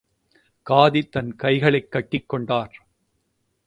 காதி தன் கைகளைக் கட்டிக் கொண்டார்.